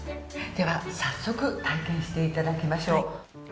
では早速体験していただきましょう。